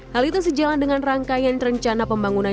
hal itu sejalan dengan rangkaian rencana pembangunan